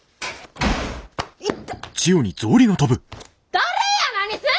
誰や何すんねん！